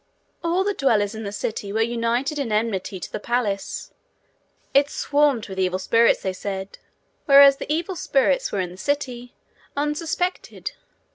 All the dwellers in the city were united in enmity to the palace. It swarmed with evil spirits, they said, whereas the evil spirits were in the city, unsuspected.